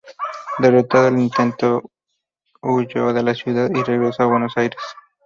Derrotado el intento, huyó de la ciudad y regresó a Buenos Aires.